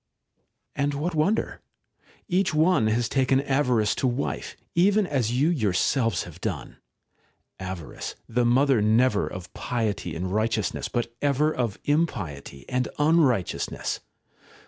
§ 7. And what wonder ?^Each one has taken avarice to wife, even as you yourselves have done; avarice, the mother never of piety and righteousness, but ever of impiety and unrighteousness.